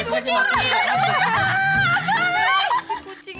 kucingnya masih bikin bikin kucing